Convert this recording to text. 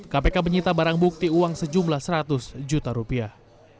kpk menyita barang bukti uang sejumlah seratus juta rupiah